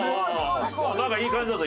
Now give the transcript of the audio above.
なんかいい感じだぞ